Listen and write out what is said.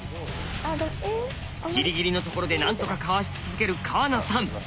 ギリギリのところでなんとかかわし続ける川名さん。